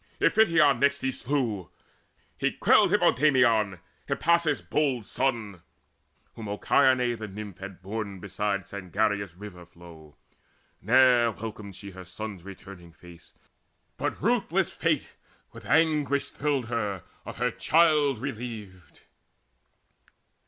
Iphition next he slew: He quelled Hippomedon, Hippasus' bold son, Whom Ocyone the Nymph had borne beside Sangarius' river flow. Ne'er welcomed she Her son's returning face, but ruthless Fate With anguish thrilled her of her child bereaved.